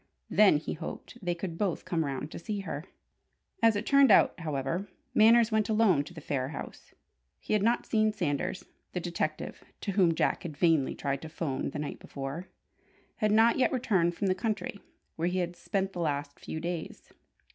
Then, he hoped, they could both come round to see her. As it turned out, however, Manners went alone to the Phayre house. He had not seen Sanders. The detective (to whom Jack had vainly tried to 'phone the night before) had not yet returned from the country where he had spent the last few days.